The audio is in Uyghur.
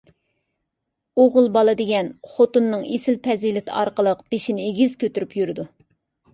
ئوغۇل بالا دېگەن خوتۇننىڭ ئېسىل پەزىلىتى ئارقىلىق بېشىنى ئېگىز كۆتۈرۈپ يۈرىدۇ.